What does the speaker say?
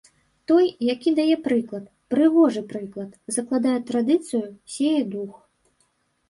Той, які дае прыклад, прыгожы прыклад, закладае традыцыю, сее дух.